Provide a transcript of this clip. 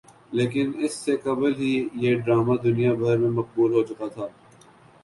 لیکن اس سے قبل ہی یہ ڈرامہ دنیا بھر میں مقبول ہوچکا تھا